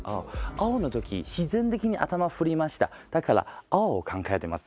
青の時自然的に頭振りましただから青を考えてます。